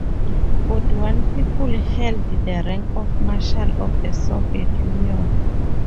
Forty-one people held the rank of Marshal of the Soviet Union.